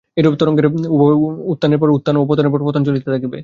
এইরূপে তরঙ্গের উত্থানের পর উত্থান ও পতনের পর পতন চলিতে থাকিবে।